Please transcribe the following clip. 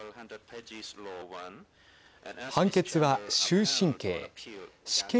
判決は終身刑。